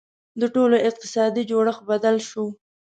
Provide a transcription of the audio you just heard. • د ټولنو اقتصادي جوړښت بدل شو.